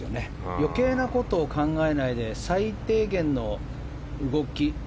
余計なことを考えないで最低限の動き